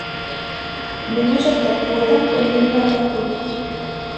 Не можев да појдам кон нивната куќа.